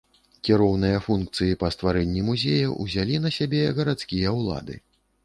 Кіроўныя функцыі па стварэнні музея ўзялі на сябе гарадскія ўлады.